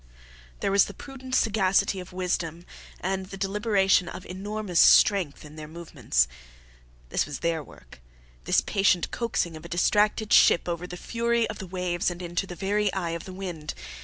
There was the prudent sagacity of wisdom and the deliberation of enormous strength in their movements. This was their work this patient coaxing of a distracted ship over the fury of the waves and into the very eye of the wind.